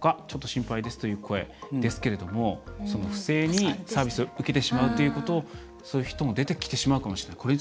ちょっと心配です」という声ですけれども不正にサービスを受けてしまうということそういう人も出てきてしまうかもしれない。